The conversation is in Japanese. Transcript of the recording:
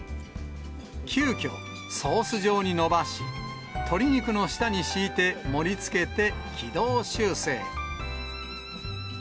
急きょ、ソース状にのばし、鶏肉の下に敷いて盛りつけて軌道修正。